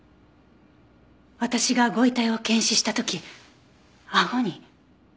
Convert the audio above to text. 私がご遺体を検視した時あごに。